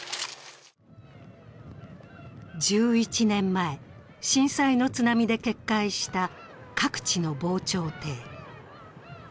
１１年前、震災の津波で決壊した各地の防潮堤。